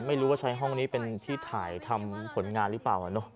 ไม่รู้ว่าใช้ห้องนี้เป็นที่ถ่ายทำผลงานหรือเปล่า